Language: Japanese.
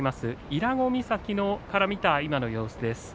伊良湖岬から見た今の様子です。